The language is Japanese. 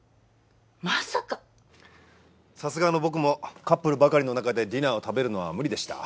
さすがの僕もカップルばかりの中でディナーを食べるのは無理でした。